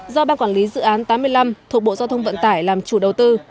do ban quản lý dự án tám mươi năm thuộc bộ giao thông vận tải làm chủ đầu tư